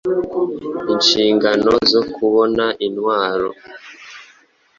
inshingano zokubona intwaro